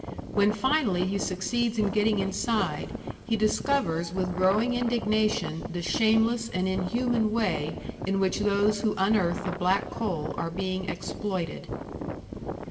When finally he succeeds in getting inside, he discovers with growing indignation the shameless and inhuman way in which those who unearth the black coal are being exploited.